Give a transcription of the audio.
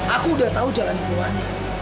aku udah tau jalan keluar